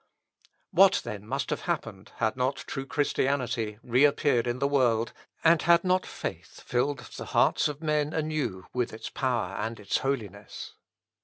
What then must have happened, had not true Christianity re appeared in the world, and had not faith filled the hearts of men anew with its power and its holiness?